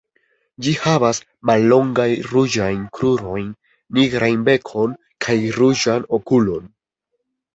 Ĝi havas mallongajn ruĝajn krurojn, nigran bekon kaj ruĝan okulon.